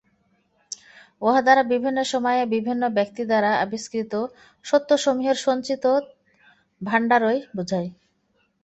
উহাদ্বারা বিভিন্ন সময়ে বিভিন্ন ব্যক্তিদ্বারা আবিষ্কৃত সত্যসমূহের সঞ্চিত ভাণ্ডারই বুঝায়।